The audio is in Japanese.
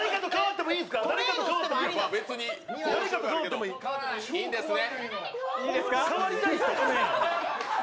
いいんですね？